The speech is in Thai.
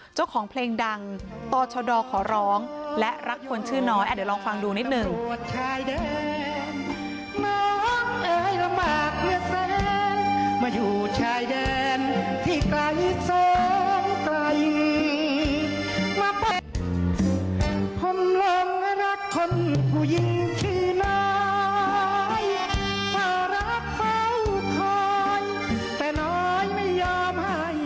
เจ้าของเพลงดังต่อชดขอร้องและรักคนชื่อน้อยเดี๋ยวลองฟังดูนิดหนึ่ง